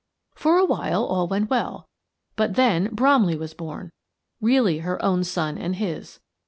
" For awhile all went well. But then Bromley was born — really her own son and his.